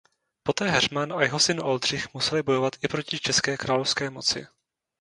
Poté Heřman a jeho syn Oldřich museli bojovat i proti české královské moci.